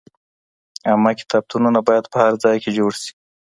عامه کتابتونونه بايد په هر ځای کي جوړ سي.